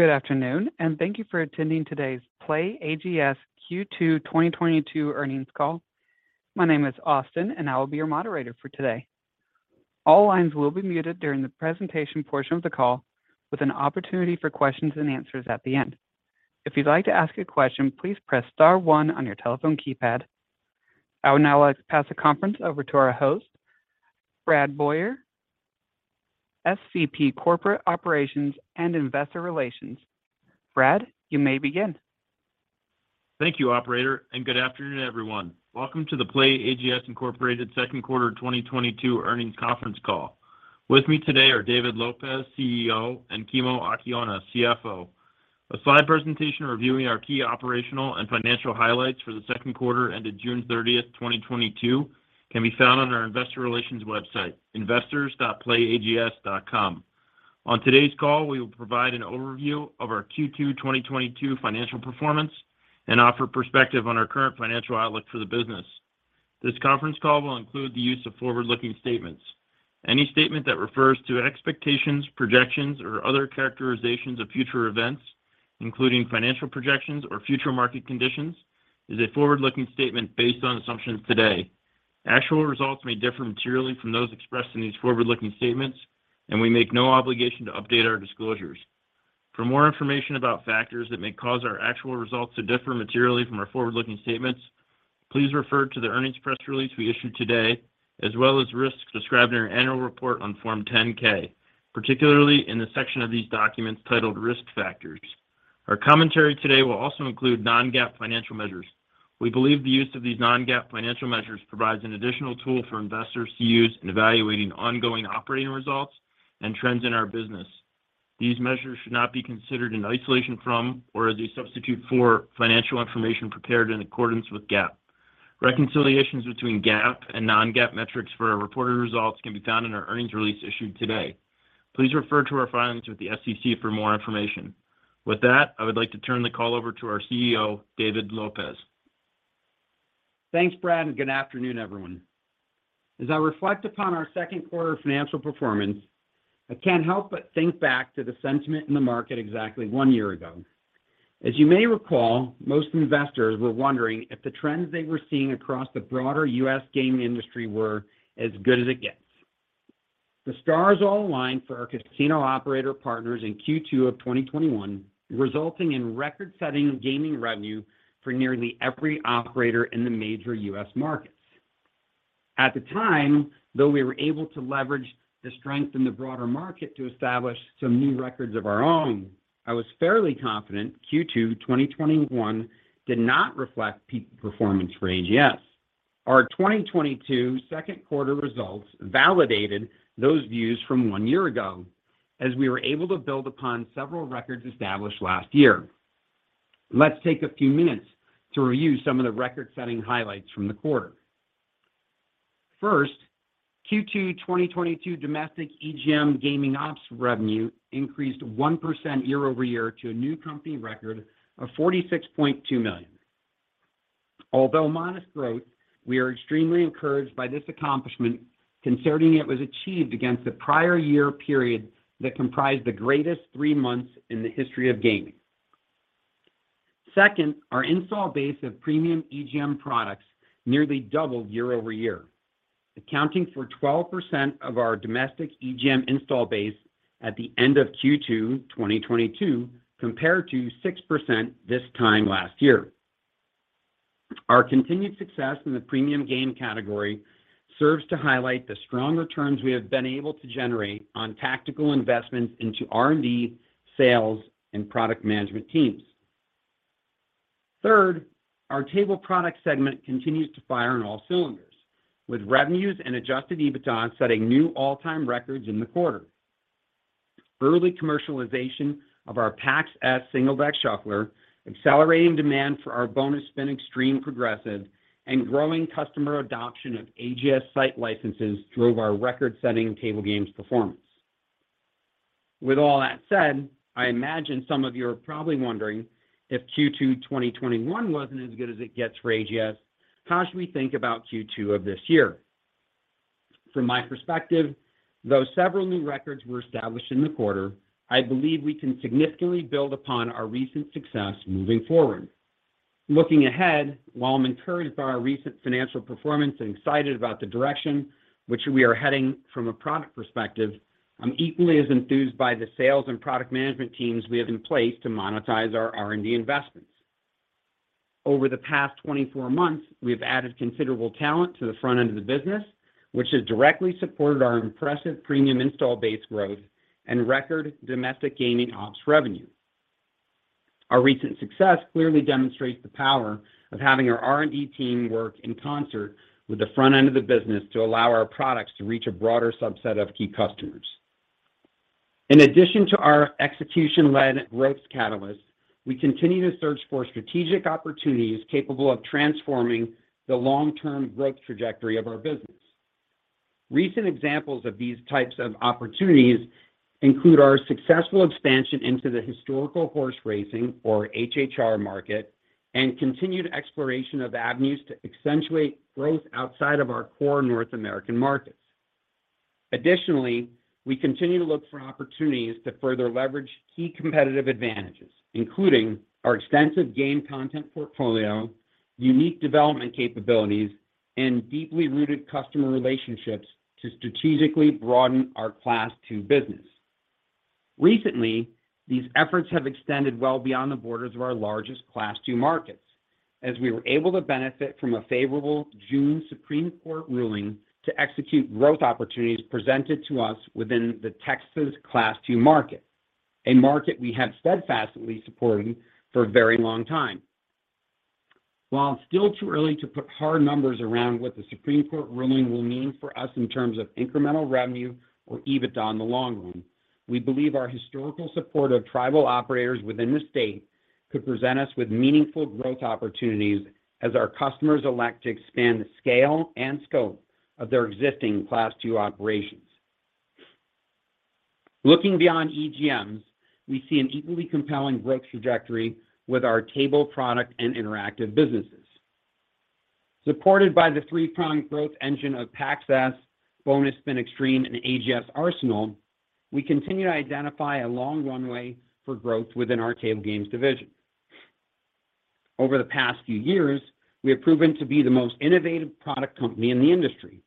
Good afternoon, and thank you for attending today's PlayAGS Q2 2022 Earnings Call. My name is Austin, and I will be your moderator for today. All lines will be muted during the presentation portion of the call, with an opportunity for questions and answers at the end. If you'd like to ask a question, please press star one on your telephone keypad. I would now like to pass the conference over to our host, Brad Boyer, SVP Corporate Operations and Investor Relations. Brad, you may begin. Thank you, Operator, and good afternoon, everyone. Welcome to the PlayAGS, Inc Second Quarter 2022 Earnings Conference Call. With me today are David Lopez, CEO, and Kimo Akiona, CFO. A slide presentation reviewing our key operational and financial highlights for the second quarter ended June 30th, 2022 can be found on our Investor Relations website, investors.playags.com. On today's call, we will provide an overview of our Q2 2022 financial performance and offer perspective on our current financial outlook for the business. This conference call will include the use of forward-looking statements. Any statement that refers to expectations, projections, or other characterizations of future events, including financial projections or future market conditions, is a forward-looking statement based on assumptions today. Actual results may differ materially from those expressed in these forward-looking statements, and we make no obligation to update our disclosures. For more information about factors that may cause our actual results to differ materially from our forward-looking statements, please refer to the earnings press release we issued today, as well as risks described in our annual report on Form 10-K, particularly in the section of these documents titled Risk Factors. Our commentary today will also include non-GAAP financial measures. We believe the use of these non-GAAP financial measures provides an additional tool for investors to use in evaluating ongoing operating results and trends in our business. These measures should not be considered in isolation from or as a substitute for financial information prepared in accordance with GAAP. Reconciliations between GAAP and non-GAAP metrics for our reported results can be found in our earnings release issued today. Please refer to our filings with the SEC for more information. With that, I would like to turn the call over to our CEO, David Lopez. Thanks, Brad, and good afternoon, everyone. As I reflect upon our second quarter financial performance, I can't help but think back to the sentiment in the market exactly one year ago. As you may recall, most investors were wondering if the trends they were seeing across the broader U.S. gaming industry were as good as it gets. The stars all aligned for our casino operator partners in Q2 of 2021, resulting in record-setting gaming revenue for nearly every operator in the major U.S. markets. At the time, though we were able to leverage the strength in the broader market to establish some new records of our own, I was fairly confident Q2 2021 did not reflect peak performance for AGS. Our 2022 second quarter results validated those views from one year ago, as we were able to build upon several records established last year. Let's take a few minutes to review some of the record-setting highlights from the quarter. First, Q2 2022 domestic EGM gaming ops revenue increased 1% year-over-year to a new company record of $46.2 million. Although modest growth, we are extremely encouraged by this accomplishment considering it was achieved against the prior year period that comprised the greatest three months in the history of gaming. Second, our install base of premium EGM products nearly doubled year-over-year, accounting for 12% of our domestic EGM install base at the end of Q2 2022, compared to 6% this time last year. Our continued success in the premium game category serves to highlight the strong returns we have been able to generate on tactical investments into R&D, sales, and product management teams. Third, our table product segment continues to fire on all cylinders, with revenues and Adjusted EBITDA setting new all-time records in the quarter. Early commercialization of our Pax S single-deck shuffler, accelerating demand for our Bonus Spin Xtreme progressive, and growing customer adoption of AGS site licenses drove our record-setting table games performance. With all that said, I imagine some of you are probably wondering if Q2 2021 wasn't as good as it gets for AGS, how should we think about Q2 of this year? From my perspective, though several new records were established in the quarter, I believe we can significantly build upon our recent success moving forward. Looking ahead, while I'm encouraged by our recent financial performance and excited about the direction which we are heading from a product perspective, I'm equally as enthused by the sales and product management teams we have in place to monetize our R&D investments. Over the past 24 months, we have added considerable talent to the front end of the business, which has directly supported our impressive premium install base growth and record domestic gaming ops revenue. Our recent success clearly demonstrates the power of having our R&D team work in concert with the front end of the business to allow our products to reach a broader subset of key customers. In addition to our execution-led growth catalyst, we continue to search for strategic opportunities capable of transforming the long-term growth trajectory of our business. Recent examples of these types of opportunities include our successful expansion into the historical horse racing, or HHR market, and continued exploration of avenues to accentuate growth outside of our core North American markets. Additionally, we continue to look for opportunities to further leverage key competitive advantages, including our extensive game content portfolio, unique development capabilities, and deeply rooted customer relationships to strategically broaden our Class II business. Recently, these efforts have extended well beyond the borders of our largest Class II markets as we were able to benefit from a favorable June Supreme Court ruling to execute growth opportunities presented to us within the Texas Class II market, a market we have steadfastly supported for a very long time. While it's still too early to put hard numbers around what the Supreme Court ruling will mean for us in terms of incremental revenue or EBITDA in the long run, we believe our historical support of tribal operators within the state could present us with meaningful growth opportunities as our customers elect to expand the scale and scope of their existing Class II operations. Looking beyond EGMs, we see an equally compelling growth trajectory with our table product and interactive businesses. Supported by the three-pronged growth engine of Pax S, Bonus Spin Xtreme, and AGS Arsenal, we continue to identify a long runway for growth within our table games division. Over the past few years, we have proven to be the most innovative product company in the industry,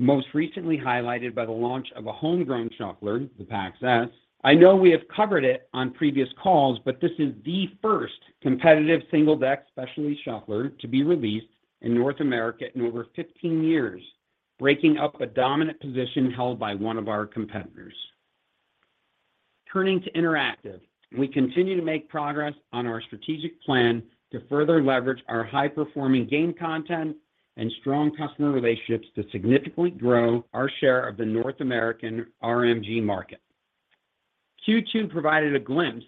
most recently highlighted by the launch of a homegrown shuffler, the Pax S. I know we have covered it on previous calls, but this is the first competitive single-deck specialty shuffler to be released in North America in over 15 years, breaking up a dominant position held by one of our competitors. Turning to interactive, we continue to make progress on our strategic plan to further leverage our high-performing game content and strong customer relationships to significantly grow our share of the North American RMG market. Q2 provided a glimpse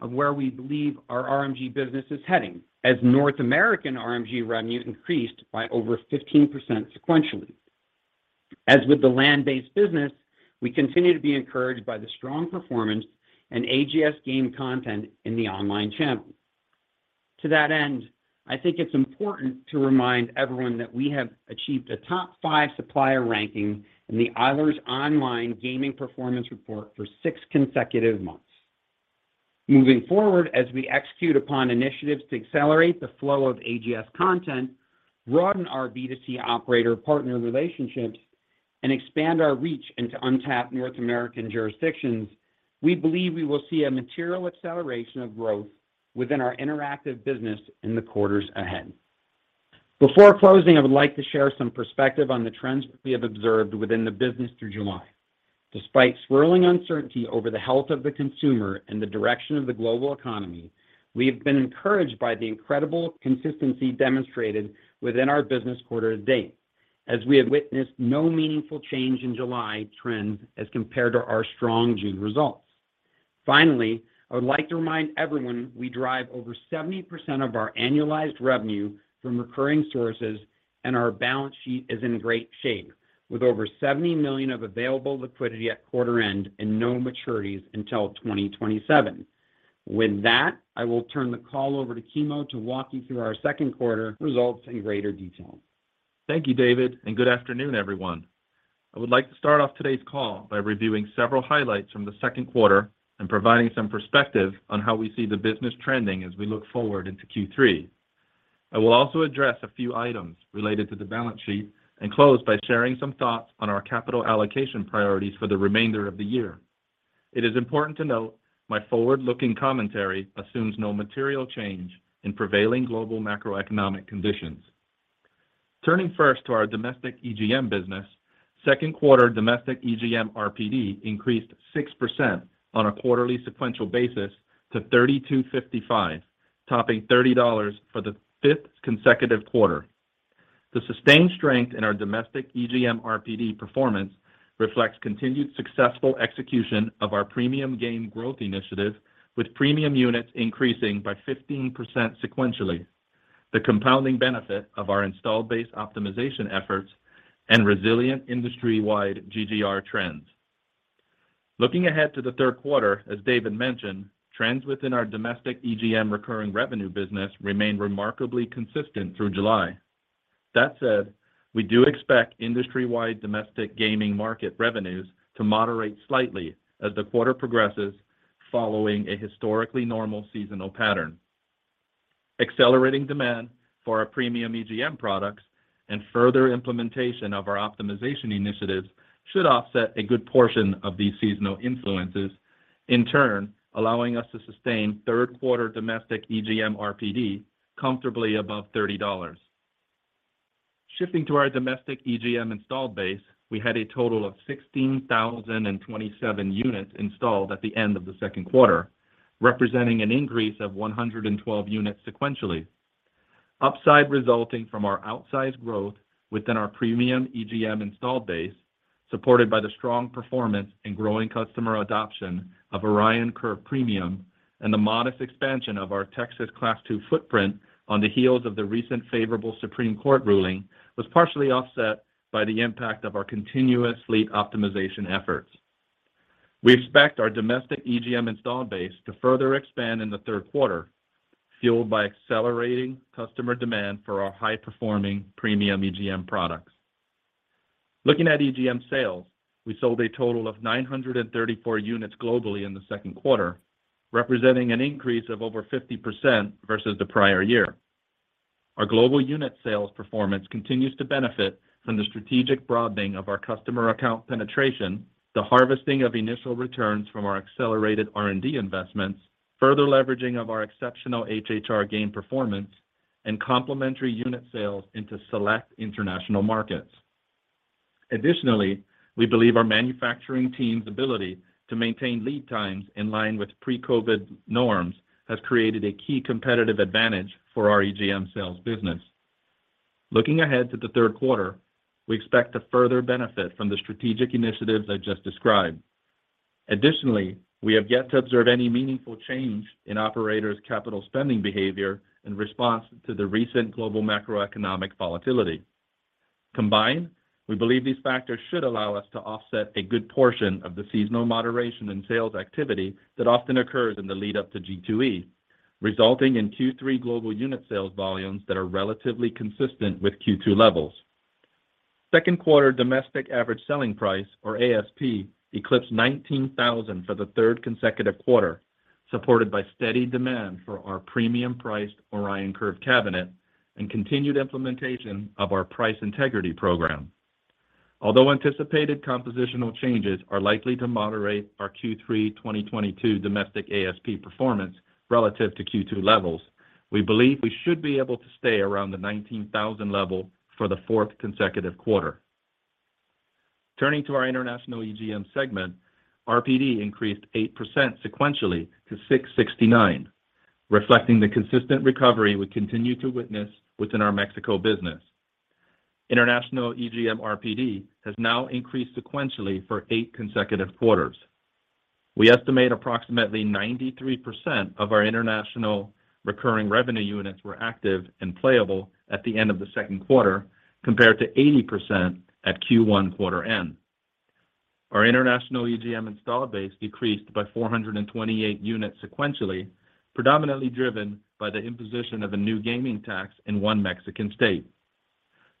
of where we believe our RMG business is heading as North American RMG revenue increased by over 15% sequentially. As with the land-based business, we continue to be encouraged by the strong performance in AGS game content in the online channel. To that end, I think it's important to remind everyone that we have achieved a top five supplier ranking in the Eilers Online Gaming Performance Report for six consecutive months. Moving forward, as we execute upon initiatives to accelerate the flow of AGS content, broaden our B2C operator partner relationships, and expand our reach into untapped North American jurisdictions, we believe we will see a material acceleration of growth within our interactive business in the quarters ahead. Before closing, I would like to share some perspective on the trends we have observed within the business through July. Despite swirling uncertainty over the health of the consumer and the direction of the global economy, we have been encouraged by the incredible consistency demonstrated within our business quarter-to-date, as we have witnessed no meaningful change in July trends as compared to our strong June results. Finally, I would like to remind everyone we drive over 70% of our annualized revenue from recurring sources, and our balance sheet is in great shape, with over $70 million of available liquidity at quarter end and no maturities until 2027. With that, I will turn the call over to Kimo to walk you through our second quarter results in greater detail. Thank you, David, and good afternoon, everyone. I would like to start off today's call by reviewing several highlights from the second quarter and providing some perspective on how we see the business trending as we look forward into Q3. I will also address a few items related to the balance sheet and close by sharing some thoughts on our capital allocation priorities for the remainder of the year. It is important to note my forward-looking commentary assumes no material change in prevailing global macroeconomic conditions. Turning first to our domestic EGM business, second quarter domestic EGM RPD increased 6% on a quarterly sequential basis to $32.55, topping $30 for the fifth consecutive quarter. The sustained strength in our domestic EGM RPD performance reflects continued successful execution of our premium game growth initiative, with premium units increasing by 15% sequentially, the compounding benefit of our installed base optimization efforts, and resilient industry-wide GGR trends. Looking ahead to the third quarter, as David mentioned, trends within our domestic EGM recurring revenue business remain remarkably consistent through July. That said, we do expect industry-wide domestic gaming market revenues to moderate slightly as the quarter progresses following a historically normal seasonal pattern. Accelerating demand for our premium EGM products and further implementation of our optimization initiatives should offset a good portion of these seasonal influences, in turn, allowing us to sustain third quarter domestic EGM RPD comfortably above $30. Shifting to our domestic EGM installed base, we had a total of 16,027 units installed at the end of the second quarter, representing an increase of 112 units sequentially. Upside resulting from our outsized growth within our premium EGM installed base, supported by the strong performance and growing customer adoption of Orion Curve Premium and the modest expansion of our Texas Class II footprint on the heels of the recent favorable Supreme Court ruling, was partially offset by the impact of our continuous fleet optimization efforts. We expect our domestic EGM installed base to further expand in the third quarter, fueled by accelerating customer demand for our high-performing premium EGM products. Looking at EGM sales, we sold a total of 934 units globally in the second quarter, representing an increase of over 50% versus the prior year. Our global unit sales performance continues to benefit from the strategic broadening of our customer account penetration, the harvesting of initial returns from our accelerated R&D investments, further leveraging of our exceptional HHR game performance, and complementary unit sales into select international markets. Additionally, we believe our manufacturing team's ability to maintain lead times in line with pre-COVID norms has created a key competitive advantage for our EGM sales business. Looking ahead to the third quarter, we expect to further benefit from the strategic initiatives I just described. Additionally, we have yet to observe any meaningful change in operators' capital spending behavior in response to the recent global macroeconomic volatility. Combined, we believe these factors should allow us to offset a good portion of the seasonal moderation in sales activity that often occurs in the lead up to G2E, resulting in Q3 global unit sales volumes that are relatively consistent with Q2 levels. Second quarter domestic average selling price, or ASP, eclipsed $19,000 for the third consecutive quarter, supported by steady demand for our premium-priced Orion Curve cabinet and continued implementation of our price integrity program. Although anticipated compositional changes are likely to moderate our Q3 2022 domestic ASP performance relative to Q2 levels, we believe we should be able to stay around the $19,000 level for the fourth consecutive quarter. Turning to our international EGM segment, RPD increased 8% sequentially to $669, reflecting the consistent recovery we continue to witness within our Mexico business. International EGM RPD has now increased sequentially for eight consecutive quarters. We estimate approximately 93% of our international recurring revenue units were active and playable at the end of the second quarter, compared to 80% at Q1 quarter end. Our international EGM installed base decreased by 428 units sequentially, predominantly driven by the imposition of a new gaming tax in one Mexican state.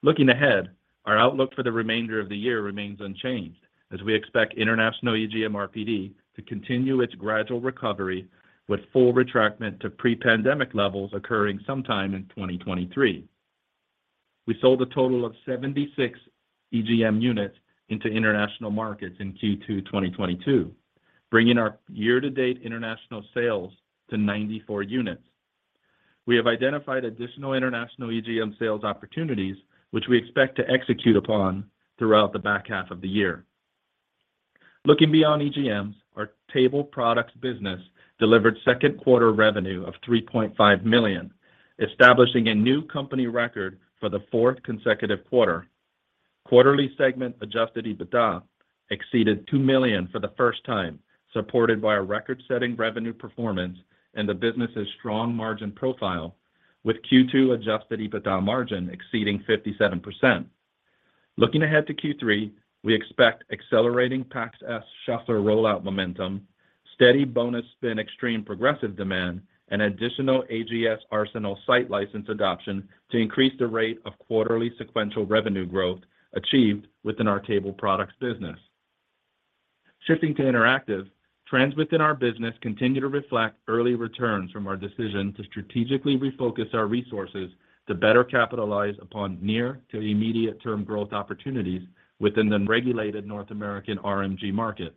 Looking ahead, our outlook for the remainder of the year remains unchanged, as we expect international EGM RPD to continue its gradual recovery, with full return to pre-pandemic levels occurring sometime in 2023. We sold a total of 76 EGM units into international markets in Q2 2022, bringing our year-to-date international sales to 94 units. We have identified additional international EGM sales opportunities, which we expect to execute upon throughout the back half of the year. Looking beyond EGMs, our table products business delivered second quarter revenue of $3.5 million, establishing a new company record for the fourth consecutive quarter. Quarterly segment Adjusted EBITDA exceeded $2 million for the first time, supported by a record-setting revenue performance and the business's strong margin profile, with Q2 Adjusted EBITDA margin exceeding 57%. Looking ahead to Q3, we expect accelerating Pax S Shuffler rollout momentum, steady Bonus Spin Xtreme Progressive demand, and additional AGS Arsenal site license adoption to increase the rate of quarterly sequential revenue growth achieved within our table products business. Shifting to interactive, trends within our business continue to reflect early returns from our decision to strategically refocus our resources to better capitalize upon near to immediate term growth opportunities within the regulated North American RMG market.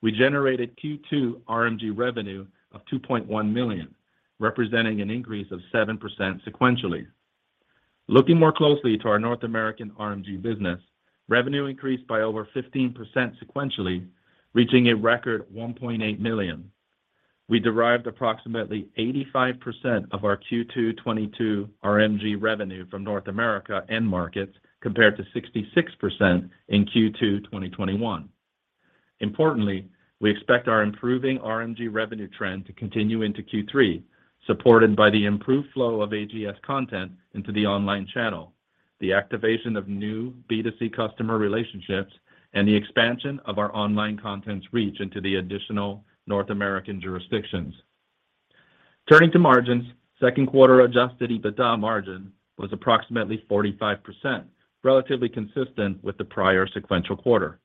We generated Q2 RMG revenue of $2.1 million, representing an increase of 7% sequentially. Looking more closely to our North American RMG business, revenue increased by over 15% sequentially, reaching a record $1.8 million. We derived approximately 85% of our Q2 2022 RMG revenue from North America end markets, compared to 66% in Q2 2021. Importantly, we expect our improving RMG revenue trend to continue into Q3, supported by the improved flow of AGS content into the online channel, the activation of new B2C customer relationships, and the expansion of our online content's reach into the additional North American jurisdictions. Turning to margins, second quarter Adjusted EBITDA margin was approximately 45%, relatively consistent with the prior sequential quarter.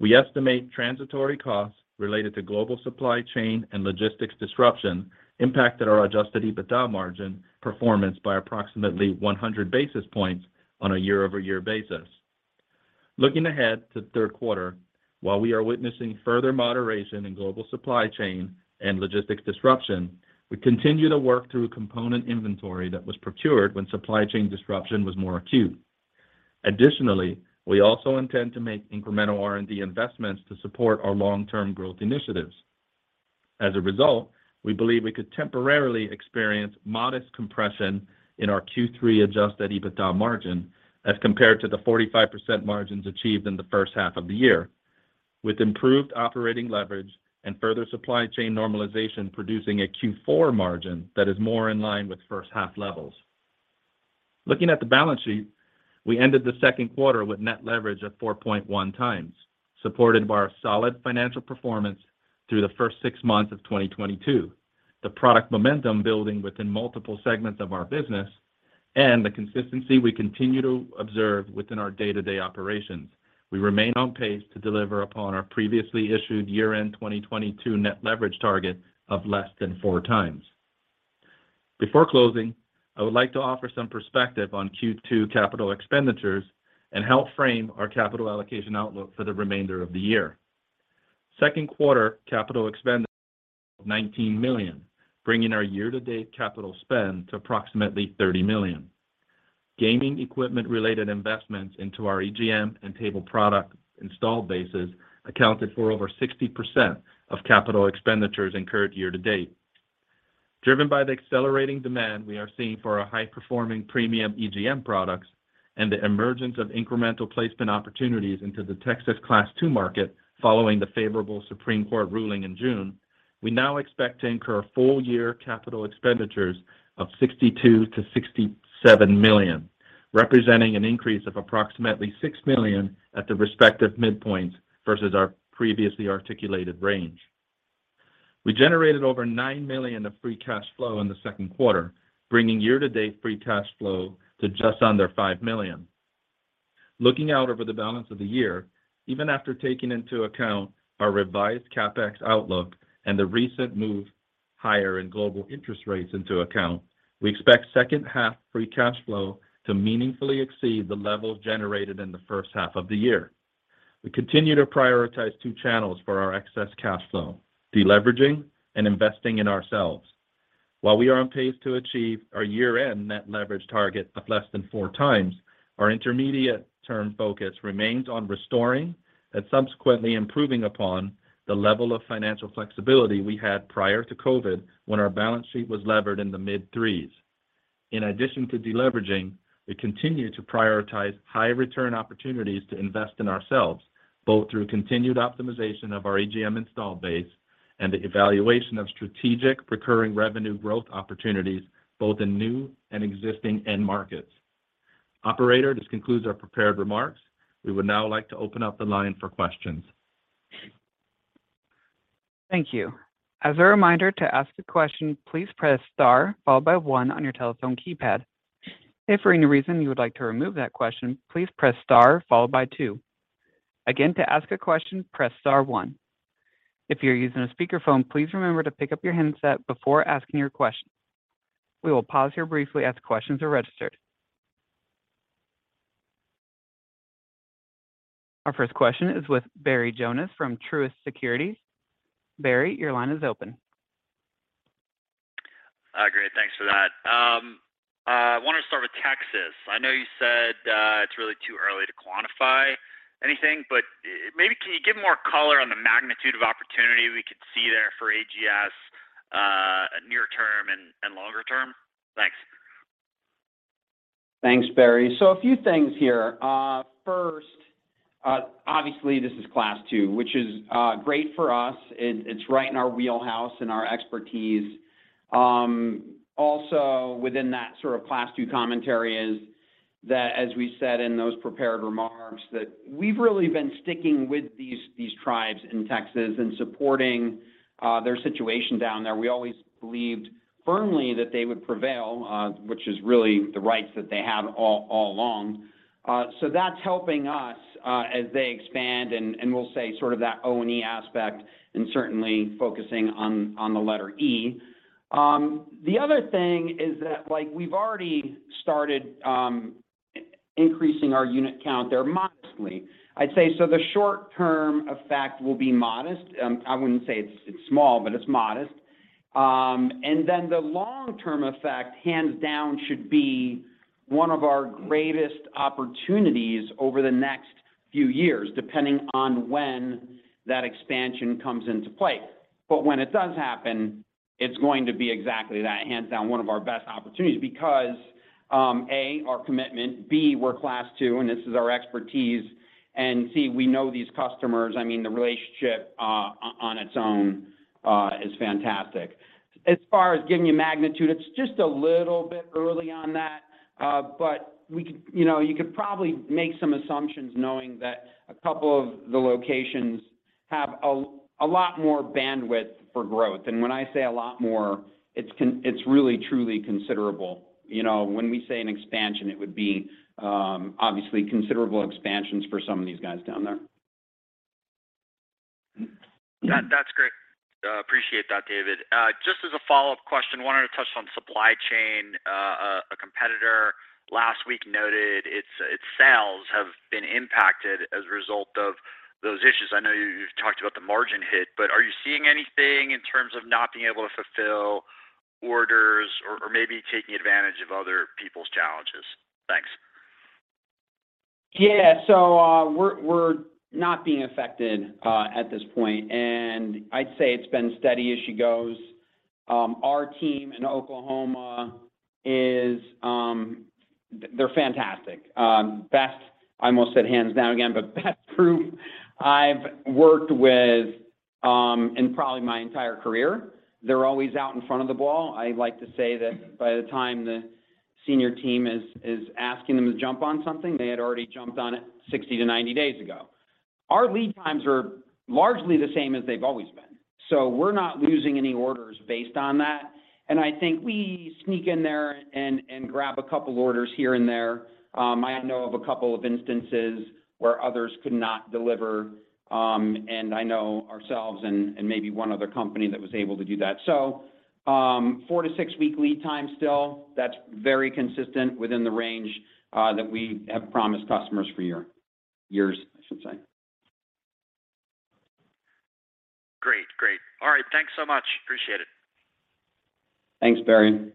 We estimate transitory costs related to global supply chain and logistics disruption impacted our Adjusted EBITDA margin performance by approximately 100 basis points on a year-over-year basis. Looking ahead to third quarter, while we are witnessing further moderation in global supply chain and logistics disruption, we continue to work through component inventory that was procured when supply chain disruption was more acute. Additionally, we also intend to make incremental R&D investments to support our long-term growth initiatives. As a result, we believe we could temporarily experience modest compression in our Q3 Adjusted EBITDA margin as compared to the 45% margins achieved in the first half of the year, with improved operating leverage and further supply chain normalization producing a Q4 margin that is more in line with first half levels. Looking at the balance sheet, we ended the second quarter with net leverage of 4.1x, supported by our solid financial performance through the first six months of 2022, the product momentum building within multiple segments of our business, and the consistency we continue to observe within our day-to-day operations. We remain on pace to deliver upon our previously issued year-end 2022 net leverage target of less than 4x. Before closing, I would like to offer some perspective on Q2 capital expenditures and help frame our capital allocation outlook for the remainder of the year. Second quarter capital expenditure of $19 million, bringing our year-to-date capital spend to approximately $30 million. Gaming equipment-related investments into our EGM and table product install bases accounted for over 60% of capital expenditures incurred year-to-date. Driven by the accelerating demand we are seeing for our high-performing premium EGM products and the emergence of incremental placement opportunities into the Texas Class II market following the favorable Supreme Court ruling in June, we now expect to incur full-year capital expenditures of $62 million-$67 million, representing an increase of approximately $6 million at the respective midpoints versus our previously articulated range. We generated over $9 million of free cash flow in the second quarter, bringing year-to-date free cash flow to just under $5 million. Looking out over the balance of the year, even after taking into account our revised CapEx outlook and the recent move higher in global interest rates, we expect second-half free cash flow to meaningfully exceed the level generated in the first half of the year. We continue to prioritize two channels for our excess cash flow, de-leveraging and investing in ourselves. While we are on pace to achieve our year-end net leverage target of less than 4x, our intermediate-term focus remains on restoring and subsequently improving upon the level of financial flexibility we had prior to COVID, when our balance sheet was levered in the mid-3s. In addition to de-leveraging, we continue to prioritize high-return opportunities to invest in ourselves, both through continued optimization of our EGM install base and the evaluation of strategic recurring revenue growth opportunities, both in new and existing end markets. Operator, this concludes our prepared remarks. We would now like to open up the line for questions. Thank you. As a reminder to ask a question, please press star followed by one on your telephone keypad. If for any reason you would like to remove that question, please press star followed by two. Again, to ask a question, press star one. If you're using a speakerphone, please remember to pick up your handset before asking your question. We will pause here briefly as questions are registered. Our first question is with Barry Jonas from Truist Securities. Barry, your line is open. Great. Thanks for that. I want to start with Texas. I know you said, it's really too early to quantify anything, but, maybe can you give more color on the magnitude of opportunity we could see there for AGS, near term and longer term? Thanks. Thanks, Barry. A few things here. First, obviously this is Class II, which is great for us. It's right in our wheelhouse and our expertise. Also within that sort of Class II commentary is that as we said in those prepared remarks, that we've really been sticking with these tribes in Texas and supporting their situation down there. We always believed firmly that they would prevail, which is really the rights that they have all along. That's helping us as they expand and we'll say sort of that O&E aspect and certainly focusing on the letter E. The other thing is that, like, we've already started increasing our unit count there modestly. I'd say, the short-term effect will be modest. I wouldn't say it's small, but it's modest. The long-term effect, hands down, should be one of our greatest opportunities over the next few years, depending on when that expansion comes into play. When it does happen, it's going to be exactly that, hands down, one of our best opportunities because, A, our commitment, B, we're Class II, and this is our expertise, and C, we know these customers. I mean, the relationship on its own is fantastic. As far as giving you magnitude, it's just a little bit early on that, but we could, you know, you could probably make some assumptions knowing that a couple of the locations have a lot more bandwidth for growth. When I say a lot more, it's really truly considerable. You know, when we say an expansion, it would be obviously considerable expansions for some of these guys down there. That's great. Appreciate that, David. Just as a follow-up question, wanted to touch on supply chain. A competitor last week noted its sales have been impacted as a result of those issues. I know you've talked about the margin hit, but are you seeing anything in terms of not being able to fulfill orders or maybe taking advantage of other people's challenges? Thanks. Yeah. We're not being affected at this point. I'd say it's been steady as she goes. Our team in Oklahoma is... They're fantastic. Best I almost said hands down again, but that's proof I've worked with in probably my entire career. They're always out in front of the ball. I like to say that by the time the senior team is asking them to jump on something, they had already jumped on it 60-90 days ago. Our lead times are largely the same as they've always been, so we're not losing any orders based on that. I think we sneak in there and grab a couple orders here and there. I know of a couple of instances where others could not deliver, and I know ourselves and maybe one other company that was able to do that. So, four to six week lead time still, that's very consistent within the range that we have promised customers for years, I should say. Great. Great. All right. Thanks so much. Appreciate it. Thanks, Barry.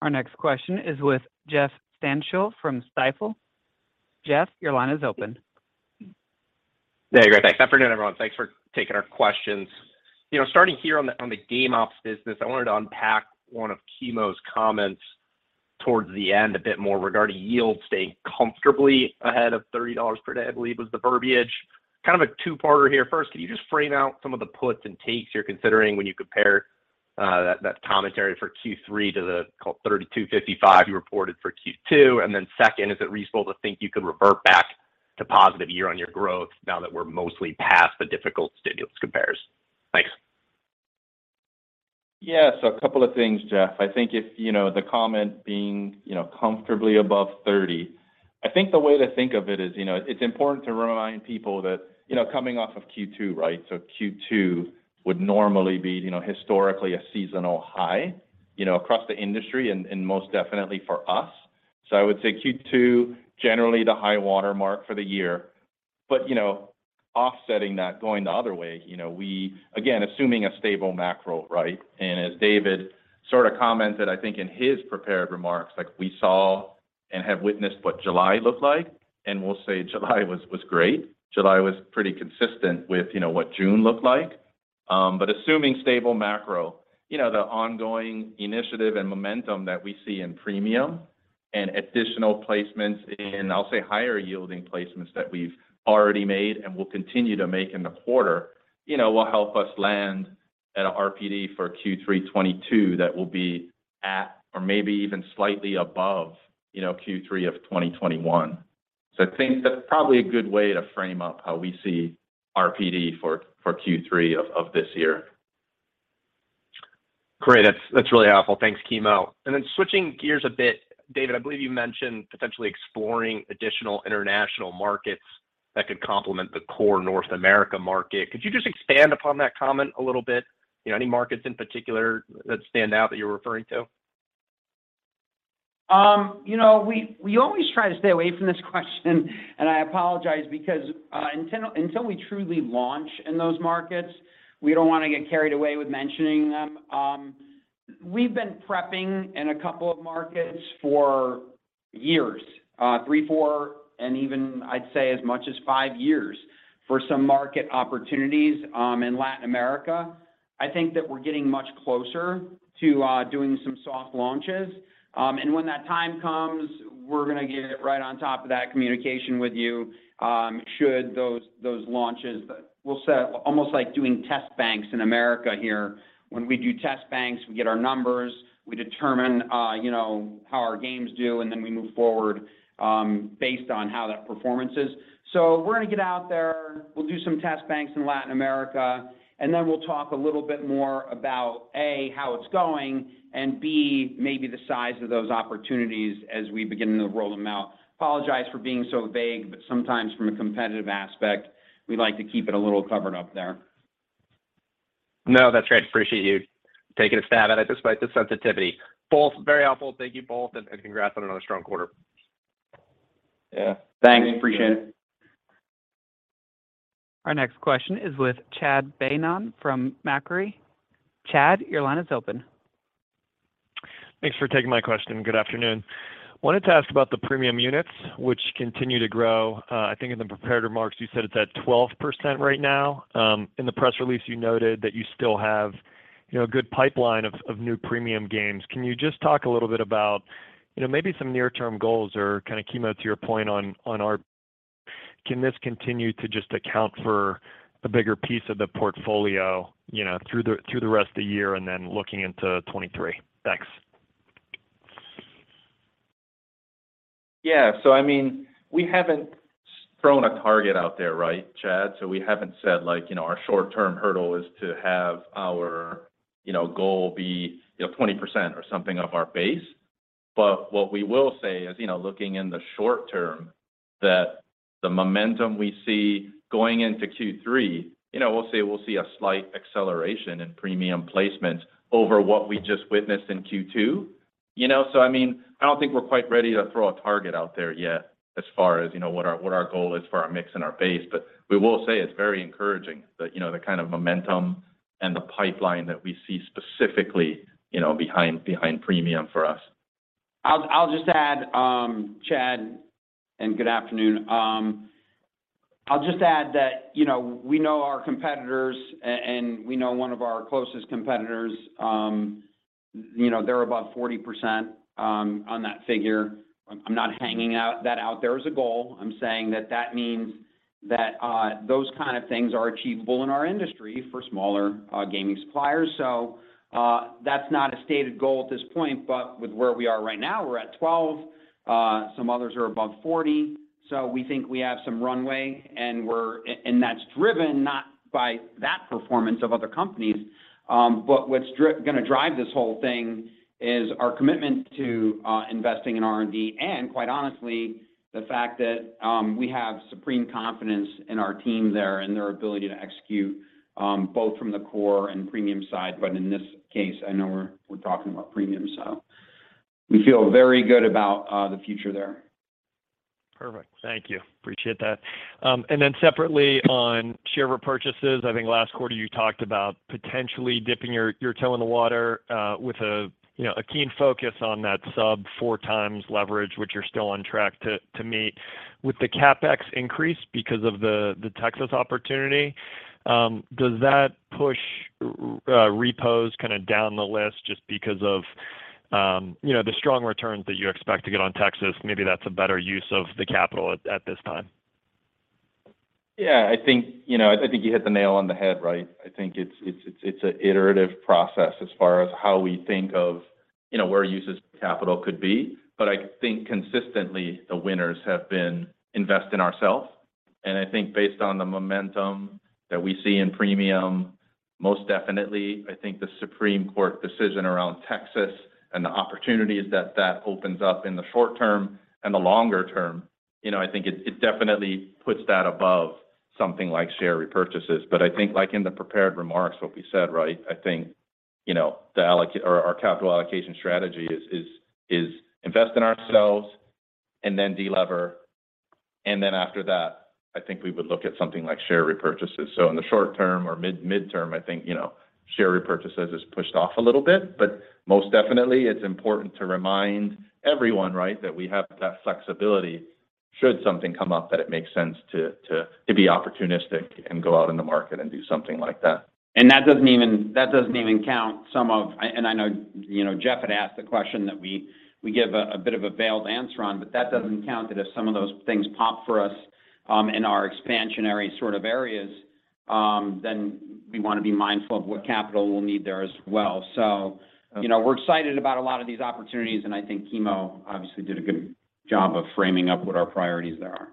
Our next question is with Jeff Stantial from Stifel. Jeff, your line is open. Hey, great. Thanks. Afternoon, everyone. Thanks for taking our questions, you know, starting here on the game ops business, I wanted to unpack one of Kimo's comments towards the end a bit more regarding yield staying comfortably ahead of $30 per day, I believe was the verbiage. Kind of a two-parter here. First, can you just frame out some of the puts and takes you're considering when you compare that commentary for Q3 to the $32.55 you reported for Q2? Second, is it reasonable to think you could revert back to positive year-on-year growth now that we're mostly past the difficult stimulus compares? Thanks. Yeah. A couple of things, Jeff. I think if, you know, the comment being, you know, comfortably above 30%, I think the way to think of it is, you know, it's important to remind people that, you know, coming off of Q2, right? Q2 would normally be, you know, historically a seasonal high, you know, across the industry and most definitely for us. I would say Q2, generally the high-water mark for the year. But, you know, offsetting that going the other way, you know, we again, assuming a stable macro, right? As David sort of commented, I think in his prepared remarks, like we saw and have witnessed what July looked like, and we'll say July was great. July was pretty consistent with, you know, what June looked like. Assuming stable macro, you know, the ongoing initiative and momentum that we see in premium and additional placements in, I'll say, higher-yielding placements that we've already made and will continue to make in the quarter, you know, will help us land at a RPD for Q3 2022 that will be at or maybe even slightly above, you know, Q3 of 2021. I think that's probably a good way to frame up how we see RPD for Q3 of this year. Great. That's really helpful. Thanks, Kimo. Switching gears a bit, David, I believe you mentioned potentially exploring additional international markets that could complement the core North America market. Could you just expand upon that comment a little bit? You know, any markets in particular that stand out that you're referring to? You know, we always try to stay away from this question and I apologize because until we truly launch in those markets, we don't wanna get carried away with mentioning them. We've been prepping in a couple of markets for years, three, four, and even I'd say as much as five years for some market opportunities in Latin America. I think that we're getting much closer to doing some soft launches. When that time comes, we're gonna get right on top of that communication with you should those launches. We'll set almost like doing test banks in America here. When we do test banks, we get our numbers, we determine you know how our games do, and then we move forward based on how that performance is. We're gonna get out there, we'll do some test banks in Latin America, and then we'll talk a little bit more about, A, how it's going, and B, maybe the size of those opportunities as we begin to roll them out. Apologize for being so vague, but sometimes from a competitive aspect, we like to keep it a little covered up there. No, that's great. I appreciate you taking a stab at it despite the sensitivity. Both very helpful. Thank you both and congrats on another strong quarter. Yeah. Thanks. Appreciate it. Our next question is with Chad Beynon from Macquarie. Chad, your line is open. Thanks for taking my question. Good afternoon. Wanted to ask about the premium units, which continue to grow. I think in the prepared remarks, you said it's at 12% right now. In the press release, you noted that you still have, you know, a good pipeline of new premium games. Can you just talk a little bit about, you know, maybe some near-term goals or kind of, Kimo, to your point, can this continue to just account for a bigger piece of the portfolio, you know, through the rest of the year and then looking into 2023? Thanks. Yeah. I mean, we haven't thrown a target out there, right, Chad? We haven't said, like, you know, our short-term hurdle is to have our, you know, goal be, you know, 20% or something of our base. What we will say is, you know, looking in the short term, that the momentum we see going into Q3, you know, we'll say we'll see a slight acceleration in premium placements over what we just witnessed in Q2, you know, I mean, I don't think we're quite ready to throw a target out there yet as far as, you know, what our goal is for our mix and our base. We will say it's very encouraging the, you know, the kind of momentum and the pipeline that we see specifically, you know, behind premium for us. I'll just add, Chad, and good afternoon. I'll just add that, you know, we know our competitors and we know one of our closest competitors, you know, they're above 40%, on that figure. I'm not hanging that out there as a goal. I'm saying that that means that those kind of things are achievable in our industry for smaller gaming suppliers. That's not a stated goal at this point, but with where we are right now, we're at 12%, some others are above 40%. We think we have some runway, and that's driven not by that performance of other companies. What's gonna drive this whole thing is our commitment to investing in R&D, and quite honestly, the fact that we have supreme confidence in our team there and their ability to execute both from the core and premium side. In this case, I know we're talking about premium, so we feel very good about the future there. Perfect. Thank you. Appreciate that. Then separately on share repurchases, I think last quarter you talked about potentially dipping your toe in the water, you know, with a keen focus on that sub 4x leverage, which you're still on track to meet. With the CapEx increase because of the Texas opportunity, does that push repurchase kinda down the list just because of, you know, the strong returns that you expect to get on Texas? Maybe that's a better use of the capital at this time. Yeah. I think, you know, I think you hit the nail on the head, right? I think it's an iterative process as far as how we think of, you know, where we use capital could be. I think consistently the winners have been investing in ourselves, and I think based on the momentum that we see in premium, most definitely, I think the Supreme Court decision around Texas and the opportunities that that opens up in the short term and the long term, you know, I think it definitely puts that above something like share repurchases. I think like in the prepared remarks, what we said, right? I think, you know, our capital allocation strategy is to invest in ourselves and then de-lever. Then after that, I think we would look at something like share repurchases. In the short term or midterm, I think, you know, share repurchases is pushed off a little bit, but most definitely it's important to remind everyone, right, that we have that flexibility should something come up that it makes sense to to be opportunistic and go out in the market and do something like that. That doesn't even count some of. I know, you know, Jeff had asked the question that we give a bit of a veiled answer on, but that doesn't count that if some of those things pop for us, in our expansionary sort of areas, then we wanna be mindful of what capital we'll need there as well. So, you know, we're excited about a lot of these opportunities, and I think Kimo obviously did a good job of framing up what our priorities there are.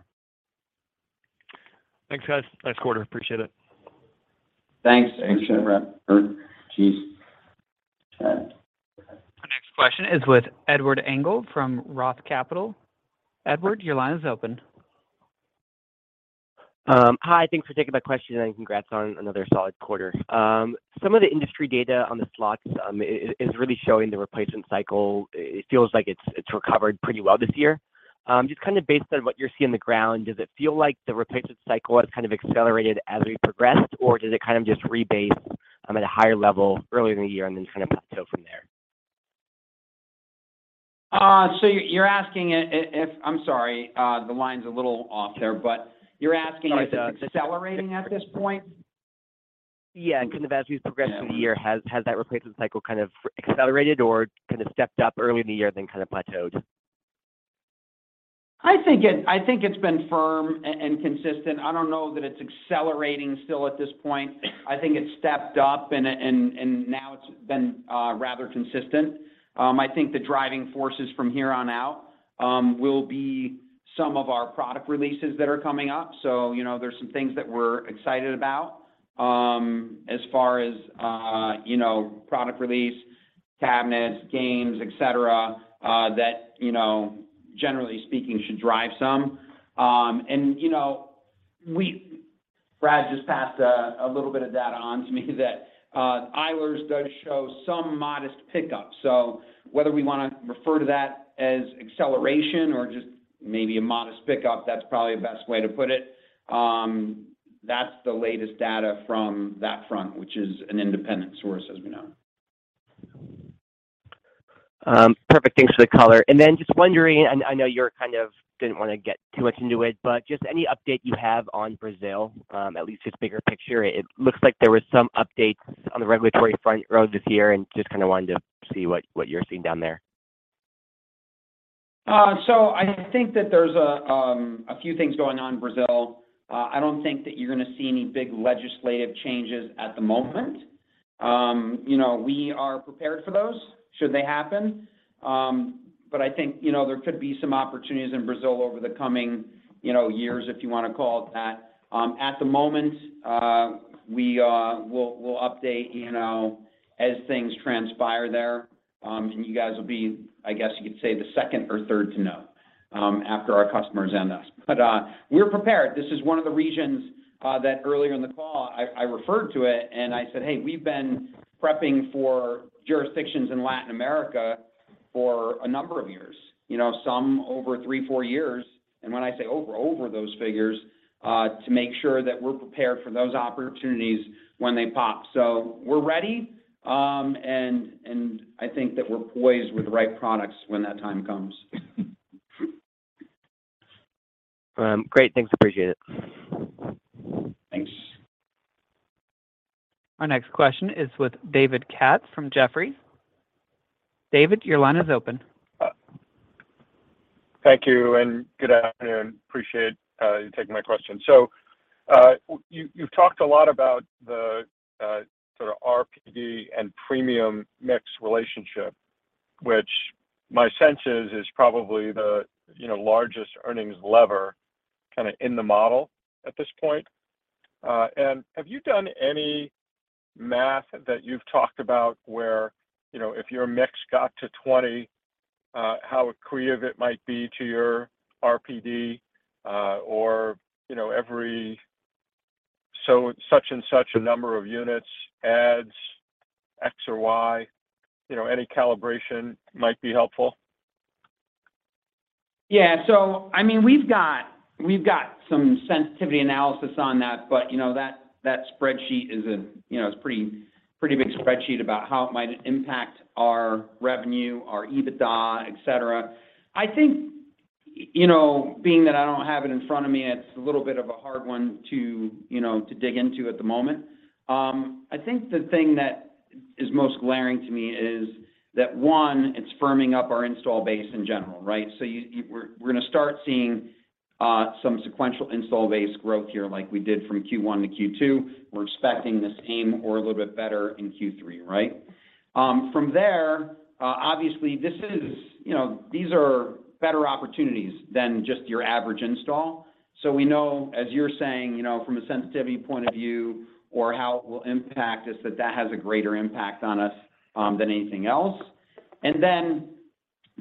Thanks, guys. Nice quarter. Appreciate it. Thanks. Appreciate it, Chad. Cheers, Chad. Our next question is with Edward Engel from Roth Capital. Edward, your line is open. Hi. Thanks for taking my question, and congrats on another solid quarter. Some of the industry data on the slots is really showing the replacement cycle. It feels like it's recovered pretty well this year. Just kind of based on what you're seeing on the ground, does it feel like the replacement cycle has kind of accelerated as we progressed, or does it kind of just rebase at a higher level earlier in the year and then kind of plateau from there? You're asking. I'm sorry, the line's a little off there, but you're asking. Sorry If it's accelerating at this point? Yeah. Kind of as we've progressed through the year, has that replacement cycle kind of accelerated or kind of stepped up early in the year then kind of plateaued? I think it's been firm and consistent. I don't know that it's accelerating still at this point. I think it's stepped up and now it's been rather consistent. I think the driving forces from here on out will be some of our product releases that are coming up. So, you know, there's some things that we're excited about, as far as, you know, product release, cabinets, games, et cetera, that, you know, generally speaking, should drive some. And you know, Brad just passed a little bit of data on to me that Eilers does show some modest pickup. Whether we wanna refer to that as acceleration or just maybe a modest pickup, that's probably the best way to put it. That's the latest data from that front, which is an independent source, as we know. Perfect. Thanks for the color. Just wondering, and I know you're kind of didn't wanna get too much into it, but just any update you have on Brazil, at least just bigger picture. It looks like there was some updates on the regulatory front earlier this year and just kinda wanted to see what you're seeing down there. I think that there's a few things going on in Brazil. I don't think that you're gonna see any big legislative changes at the moment, you know, we are prepared for those should they happen. I think, you know, there could be some opportunities in Brazil over the coming, you know, years, if you wanna call it that. At the moment, we'll update, you know, as things transpire there. You guys will be, I guess, you could say, the second or third to know, after our customers and us. We're prepared. This is one of the regions that earlier in the call I referred to it and I said, "Hey, we've been prepping for jurisdictions in Latin America for a number of years", you know, some over three, four years, and when I say over those figures to make sure that we're prepared for those opportunities when they pop. We're ready, and I think that we're poised with the right products when that time comes. Great. Thanks, appreciate it. Thanks. Our next question is with David Katz from Jefferies. David, your line is open. Thank you, and good afternoon. Appreciate you taking my question. You've talked a lot about the sort of RPD and premium mix relationship, which my sense is probably the, you know, largest earnings lever kinda in the model at this point. Have you done any math that you've talked about where, you know, if your mix got to 20, how accretive it might be to your RPD? You know, every so such-and-such a number of units adds X or Y, you know, any calibration might be helpful. Yeah. I mean, we've got some sensitivity analysis on that, but, you know, that spreadsheet is, you know, a pretty big spreadsheet about how it might impact our revenue, our EBITDA, et cetera. I think, you know, being that I don't have it in front of me, it's a little bit of a hard one to, you know, to dig into at the moment. I think the thing that is most glaring to me is that, one, it's firming up our install base in general, right? We're gonna start seeing some sequential install base growth here like we did from Q1-Q2. We're expecting the same or a little bit better in Q3, right? From there, obviously this is, you know, these are better opportunities than just your average install. We know, as you're saying, you know, from a sensitivity point of view or how it will impact us, that that has a greater impact on us than anything else.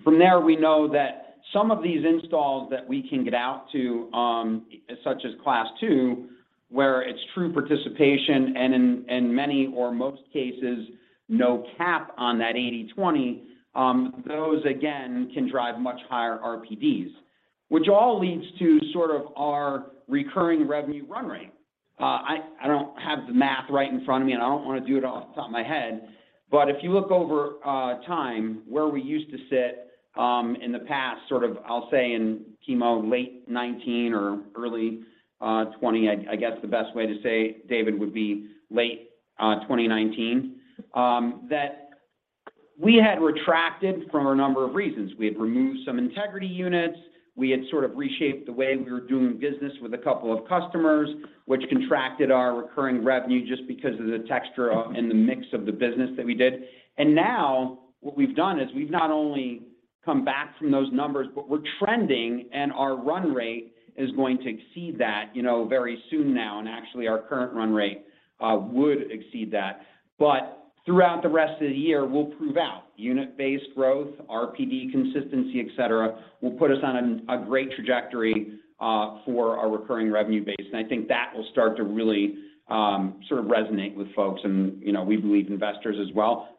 From there, we know that some of these installs that we can get out to, such as Class II, where it's true participation and in many or most cases no cap on that 80/20, those again, can drive much higher RPDs. Which all leads to sort of our recurring revenue run rate. I don't have the math right in front of me, and I don't wanna do it off the top of my head, but if you look over time where we used to sit in the past, sort of, I'll say in Kimo late 2019 or early 2020, I guess the best way to say, David, would be late 2019. That we had contracted for a number of reasons. We had removed some Integrity units. We had sort of reshaped the way we were doing business with a couple of customers, which contracted our recurring revenue just because of the texture of, and the mix of the business that we did. Now what we've done is we've not only come back from those numbers, but we're trending and our run rate is going to exceed that, you know, very soon now. Actually our current run rate would exceed that. Throughout the rest of the year, we'll prove out unit-based growth, RPD consistency, et cetera, will put us on a great trajectory for our recurring revenue base. I think that will start to really sort of resonate with folks and, you know, we believe investors as well.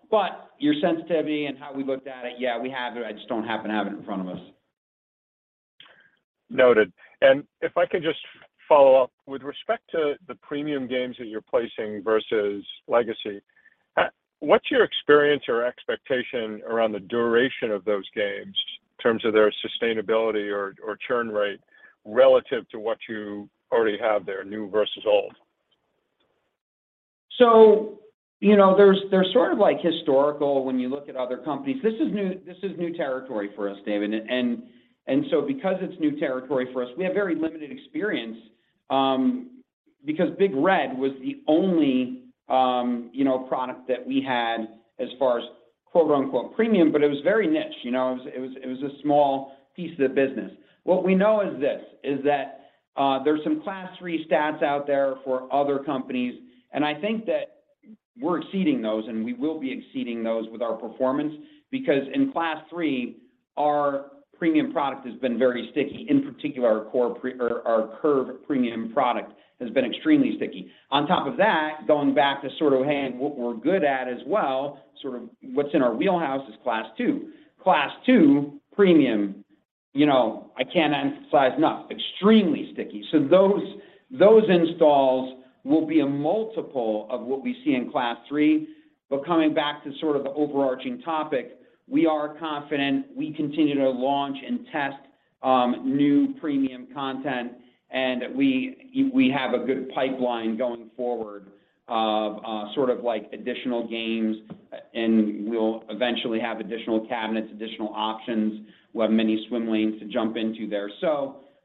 Your sensitivity and how we looked at it, yeah, we have it, I just don't happen to have it in front of us. Noted. If I could just follow up. With respect to the premium games that you're placing versus legacy, what's your experience or expectation around the duration of those games in terms of their sustainability or churn rate relative to what you already have there, new versus old? You know, there are. They're sort of like historical when you look at other companies. This is new territory for us, David. Because it's new territory for us, we have very limited experience, because Big Red was the only, you know, product that we had as far as quote unquote "premium," but it was very niche, you know, it was a small piece of the business. What we know is that there are some Class III stats out there for other companies, and I think that we're exceeding those, and we will be exceeding those with our performance. Because in Class III, our premium product has been very sticky. In particular, our core or our Curve premium product has been extremely sticky. On top of that, going back to sort of what we're good at as well, sort of what's in our wheelhouse is Class II. Class II premium, you know, I can't emphasize enough, extremely sticky. Those installs will be a multiple of what we see in Class III. Coming back to sort of the overarching topic, we are confident we continue to launch and test new premium content, and we have a good pipeline going forward of sort of like additional games. And we'll eventually have additional cabinets, additional options. We'll have many swim lanes to jump into there.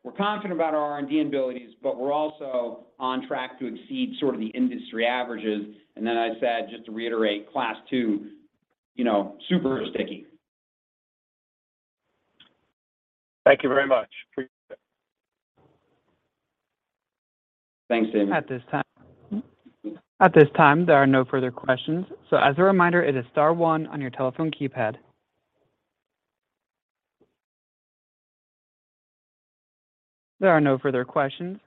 We're confident about our R&D abilities, but we're also on track to exceed sort of the industry averages. Then I said, just to reiterate, Class II, you know, super sticky. Thank you very much. Appreciate it. Thanks, David. At this time, there are no further questions. As a reminder, it is star one on your telephone keypad. There are no further questions,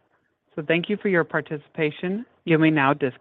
so thank you for your participation. You may now dis-